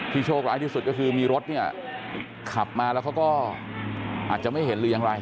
โชคร้ายที่สุดก็คือมีรถเนี่ยขับมาแล้วเขาก็อาจจะไม่เห็นหรือยังไร